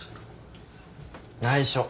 内緒。